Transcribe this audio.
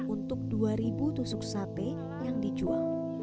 untuk dua ribu tusuk sate yang dijual